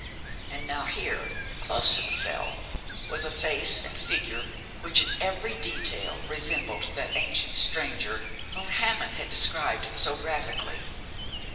And now here, close to the Fell, was a face and figure which in every detail resembled that ancient stranger whom Hammond had described so graphically.